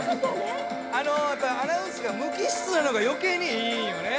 あのアナウンスが無機質なのが余計にいいんよね。